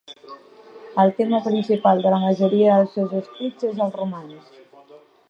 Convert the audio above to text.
El tema principal de la majoria dels seus escrits és el romanç.